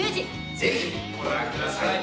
ぜひご覧ください。